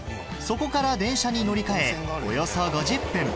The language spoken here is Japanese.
そこから電車に乗り換えおよそ５０分